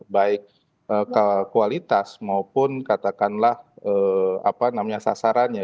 baik kualitas maupun katakanlah apa namanya sasarannya